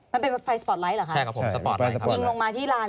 มันเป็นไฟสปอร์ตไลท์เหรอคะใช่ครับผมสปอร์ตไลท์ยิงลงมาที่ลาน